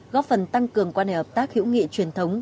góp phần tăng cường quan hệ hợp tác hữu nghị truyền thống